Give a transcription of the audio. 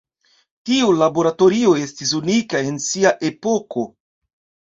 Tiu laboratorio estis unika en sia epoko.